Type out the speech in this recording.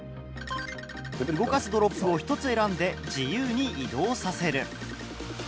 動かすドロップを１つ選んで自由に移動させる。